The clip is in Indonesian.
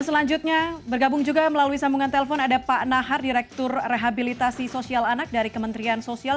selanjutnya bergabung juga melalui sambungan telpon ada pak nahar direktur rehabilitasi sosial anak dari kementerian sosial